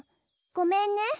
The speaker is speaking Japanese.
ごめんね。